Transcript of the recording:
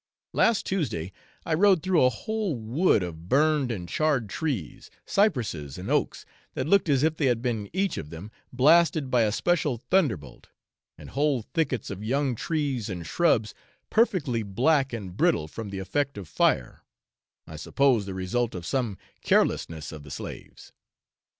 Last Tuesday, I rode through a whole wood, of burned and charred trees, cypresses and oaks, that looked as if they had been each of them blasted by a special thunderbolt, and whole thickets of young trees and shrubs perfectly black and brittle from the effect of fire, I suppose the result of some carelessness of the slaves.